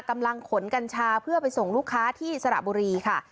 กำลังขนกัญชาเพื่อไปส่งลูกค้าที่สระบุรีค่ะ